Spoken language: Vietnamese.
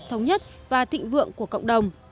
thống nhất và thịnh vượng của cộng đồng